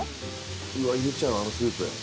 うわっ入れちゃうあのスープ。